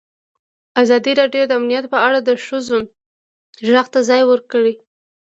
ازادي راډیو د امنیت په اړه د ښځو غږ ته ځای ورکړی.